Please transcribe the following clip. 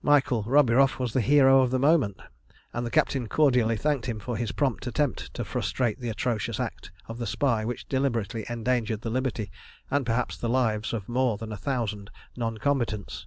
Michael Roburoff was the hero of the moment, and the captain cordially thanked him for his prompt attempt to frustrate the atrocious act of the spy which deliberately endangered the liberty and perhaps the lives of more than a thousand non combatants.